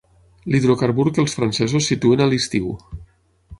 L'hidrocarbur que els francesos situen a l'estiu.